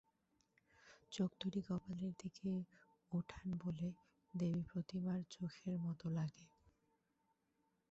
চোখ দুটি কপালের দিকে ওঠান বলে-দেবী প্রতিমার চোখের মতো লাগে।